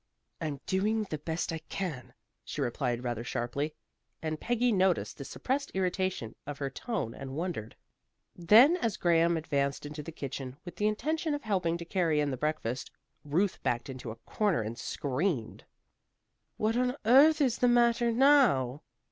"I'm doing the best I can," she replied rather sharply, and Peggy noticed the suppressed irritation of her tone and wondered. Then, as Graham advanced into the kitchen with the intention of helping to carry in the breakfast, Ruth backed into a corner and screamed. "What on earth is the matter now?"